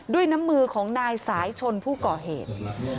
ด้วยน้ำมือของนายสายชนผู้ก่อเหตุ